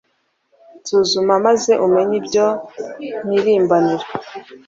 nsuzuma, maze umenye ibyo mpirimbanira